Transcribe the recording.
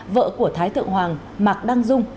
vợ của thái thượng hoàng mạc đăng dung